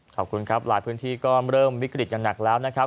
ขอบคุณครับหลายพื้นที่ก็เริ่มวิกฤตอย่างหนักแล้วนะครับ